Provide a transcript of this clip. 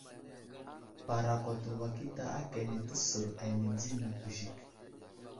Parakwato wakita aka təsər ane di nakw Zik.